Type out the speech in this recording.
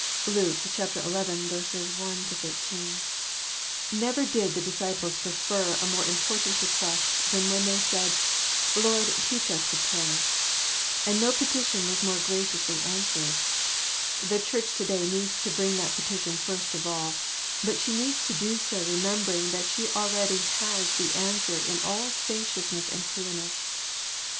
^^— Luke 11 : 1 13. I PRELIMINARY ITever did the disciples prefer a more impor tant request than when they said " Lord, teach us to pray ": and no petition was more graciously answered. The church to day needs to bring that petition first of all, but she needs to do so remem bering that she already has the answer in all spaciousness and clearness.